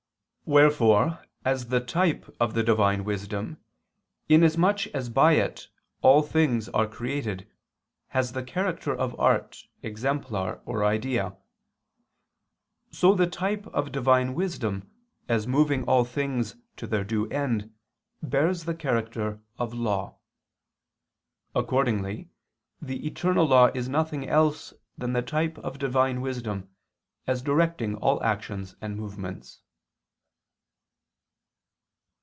Wherefore as the type of the Divine Wisdom, inasmuch as by It all things are created, has the character of art, exemplar or idea; so the type of Divine Wisdom, as moving all things to their due end, bears the character of law. Accordingly the eternal law is nothing else than the type of Divine Wisdom, as directing all actions and movements.